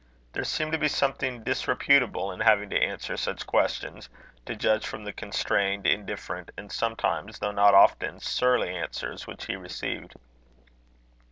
There seemed to be something disreputable in having to answer such questions, to judge from the constrained, indifferent, and sometimes, though not often, surly answers which he received.